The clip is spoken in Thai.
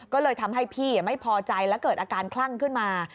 ก็เลยทำให้พี่ไม่พอใจและเกิดอาการคลั่งขึ้นมา